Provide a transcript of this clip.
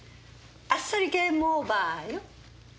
あっさりゲームオーバーよ。